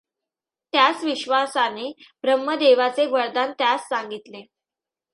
त्याच विश्वासाने ब्रह्मदेवाचे वरदान त्यास सांगितले.